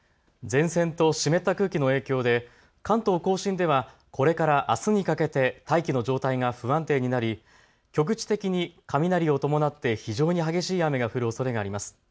前線と湿った空気の影響で関東甲信では、これからあすにかけて大気の状態が不安定になり局地的に雷を伴って非常に激しい雨が降るおそれがあります。